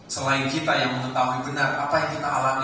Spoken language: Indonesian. selain kita yang mengetahui benar apa yang kita alami